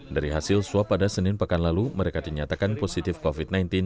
dari hasil swab pada senin pekan lalu mereka dinyatakan positif covid sembilan belas